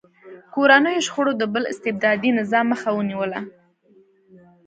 کورنیو شخړو د بل استبدادي نظام مخه ونیوله.